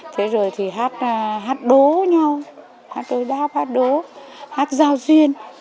thế rồi thì hát đố nhau hát đối đáp hát đố hát giao duyên